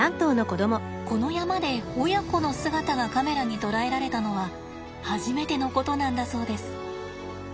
この山で親子の姿がカメラに捉えられたのは初めてのことなんだそうです。